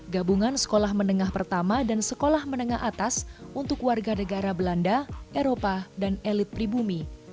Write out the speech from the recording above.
gabungan sekolah menengah pertama dan sekolah menengah atas untuk warga negara belanda eropa dan elit pribumi